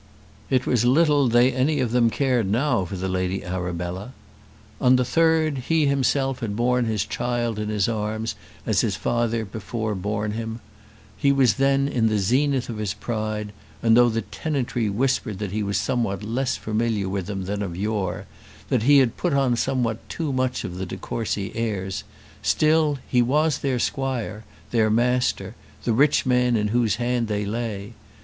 It was little they any of them cared now for the Lady Arabella. On the third, he himself had borne his child in his arms as his father had before borne him; he was then in the zenith of his pride, and though the tenantry whispered that he was somewhat less familiar with them than of yore, that he had put on somewhat too much of the de Courcy airs, still he was their squire, their master, the rich man in whose hand they lay.